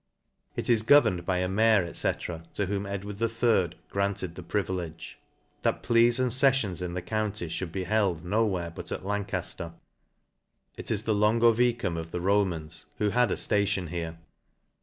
It is governed by a mayor, fife, to whom £</«/. III. granted the privilege, That pleas and feffions in the county mould be held no where but at Lmicajier. It is the Longovicum of the Romans, who had a ftation here.